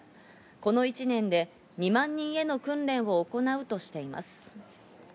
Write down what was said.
この１年で２万人への訓練を行うとしています。